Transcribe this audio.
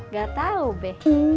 ga tau be